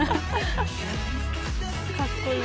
かっこいい。